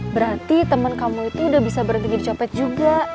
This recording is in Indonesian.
berarti temen kamu itu udah bisa berhenti jadi copet juga